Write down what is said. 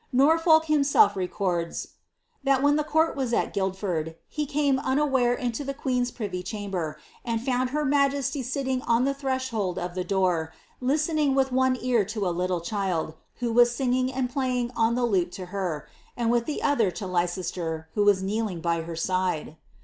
Nor folk himself records, that when the court was at Guildford, he came unaware into the queen^s privy chamber, and found her majesty sitting nn the threshc^d of the door, listening with one ear to a little child, who was singing and playing on the lute to her, and with the other to Lei cester, who was kneeling by her side."